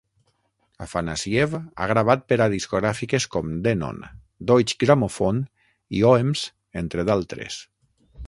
Afanassiev ha gravat per a discogràfiques com Denon, Deutsche Grammophone i Oehms, entre d'altres.